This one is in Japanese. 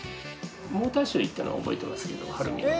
モーターショー行ったのは覚えてますけど晴海の。